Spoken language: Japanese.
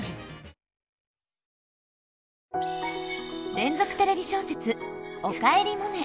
連続テレビ小説「おかえりモネ」。